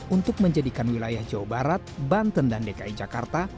untuk menjadikan wilayah jawa barat banten dan dki jakarta